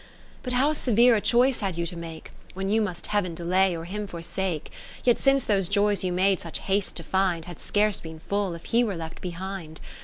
But how severe a choice had you to make. When you must Heav'n delay, or Him forsake? Yet since those joys you made such haste to find Had scarce been full if he were left behind.